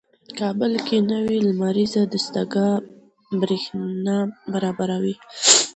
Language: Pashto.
کابل کې نوې لمریزه دستګاه برېښنا برابروي.